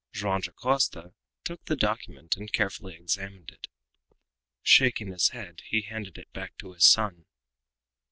Joam Dacosta took the document and carefully examined it. Shaking his head, he handed it back to his son.